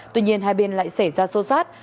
tuy nhiên hai bên lại xảy ra xô xát